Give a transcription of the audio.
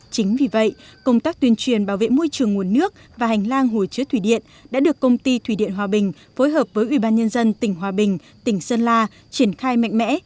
chính vì vậy công tác tuyên truyền bảo vệ môi trường nguồn nước và hành lang hồ chứa thủy điện đã được công ty thủy điện hòa bình phối hợp với ủy ban nhân dân tỉnh hòa bình tỉnh sơn la triển khai mạnh mẽ